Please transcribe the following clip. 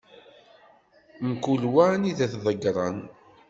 Mkul wa anida i t-ḍegren.